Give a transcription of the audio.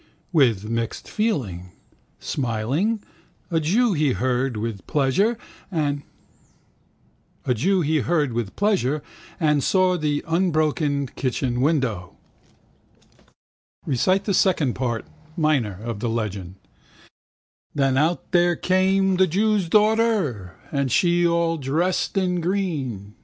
With unmixed feeling. Smiling, a jew, he heard with pleasure and saw the unbroken kitchen window. Recite the second part (minor) of the legend. Then out there came the jew's daughter And she all dressed in green.